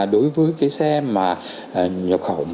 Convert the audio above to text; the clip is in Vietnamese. đối với cái xe nhập khẩu